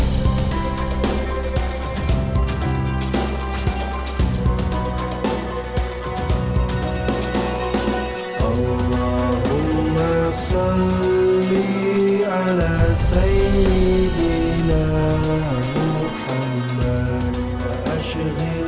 sampai jumpa di video selanjutnya